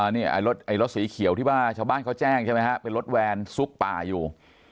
นี่รถสีเขียวที่ว่าชาวบ้านเขาแจ้งใช่ไหมฮะเป็นรถแวนซุกป่าอยู่